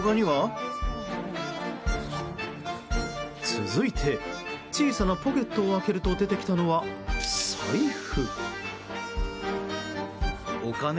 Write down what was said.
続いて小さなポケットを開けると出てきたのは財布。